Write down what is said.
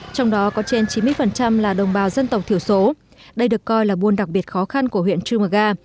trong đó có trên chín mươi là đồng bào dân tộc thiểu số đây được coi là buôn đặc biệt khó khăn của huyện trư mờ ga